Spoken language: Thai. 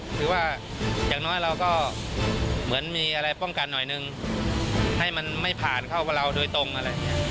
คือว่าอย่างน้อยเราก็เหมือนมีอะไรป้องกันหน่อยนึงให้มันไม่ผ่านเข้าเราโดยตรงอะไรอย่างนี้